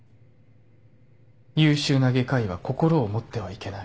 優秀な外科医は心を持ってはいけない。